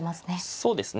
そうですね。